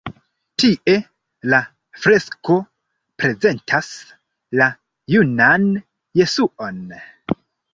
Tie la fresko prezentas la junan Jesuon.